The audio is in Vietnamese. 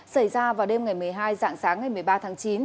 xảy ra vào đêm ngày một mươi hai dạng sáng ngày một mươi ba tháng chín